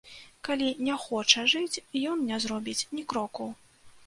Калі не хоча жыць, ён не зробіць ні кроку!